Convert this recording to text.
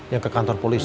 yang ke kantor polis